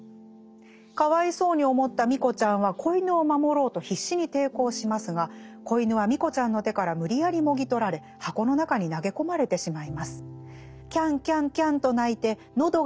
かわいそうに思ったミコちゃんは仔犬を守ろうと必死に抵抗しますが仔犬はミコちゃんの手から無理やりもぎ取られ箱の中に投げ込まれてしまいます」。